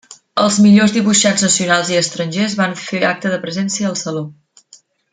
Els millors dibuixants nacionals i estrangers van fer acte de presència al Saló.